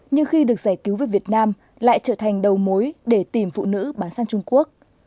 nhưng khi được giải cứu về việt nam lại trở thành đầu mối để tìm phụ nữ bán sang trung quốc